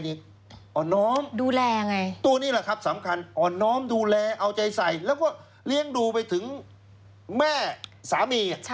เพราะผู้หญิงไทนี่